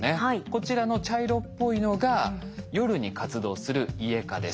こちらの茶色っぽいのが夜に活動するイエカです。